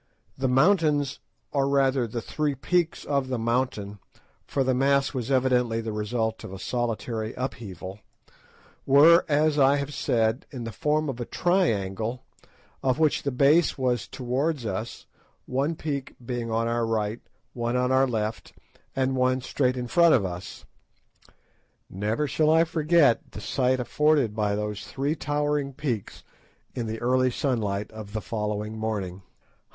The mountains, or rather the three peaks of the mountain, for the mass was evidently the result of a solitary upheaval, were, as I have said, in the form of a triangle, of which the base was towards us, one peak being on our right, one on our left, and one straight in front of us. Never shall I forget the sight afforded by those three towering peaks in the early sunlight of the following morning.